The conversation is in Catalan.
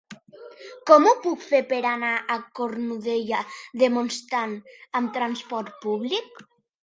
Com ho puc fer per anar a Cornudella de Montsant amb trasport públic?